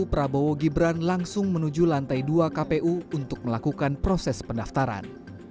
prabowo gibran langsung menuju lantai dua kpu untuk melakukan proses pendaftaran